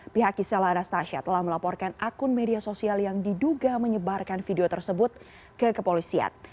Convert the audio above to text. pihak kisela anastasia telah melaporkan akun media sosial yang diduga menyebarkan video tersebut ke kepolisian